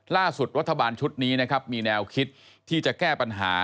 รัฐบาลชุดนี้นะครับมีแนวคิดที่จะแก้ปัญหา